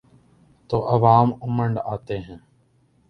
تو عوام امنڈ آتے ہیں۔